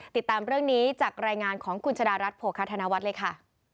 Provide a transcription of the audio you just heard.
ติดตามเรื่องนี้จากรายงานของคุณชะดารัฐโภคธนวัฒน์เลยค่ะ